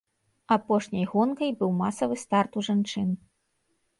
Апошняй гонкай быў масавы старт у жанчын.